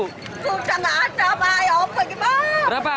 udah gak ada apa apa